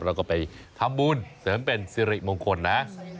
แล้วก็ไปทำบุญเสริมเป็นสิริมงคลนะ